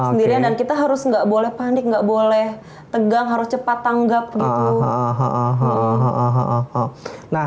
sendirian dan kita harus enggak boleh panik nggak boleh tegang harus cepat tanggap gitu nah